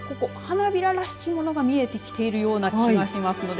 花びららしきものが見えてきているような気がします。